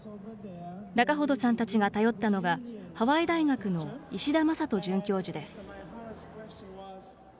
仲程さんたちが頼ったのが、ハワイ大学の石田正人准教授です。